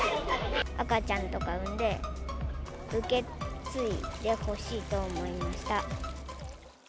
赤ちゃんとか産んで、受け継いでほしいと思いました。